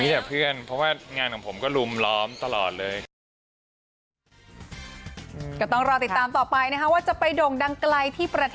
มีแต่เพื่อนเพราะว่างานของผมก็ลุมล้อมตลอดเลย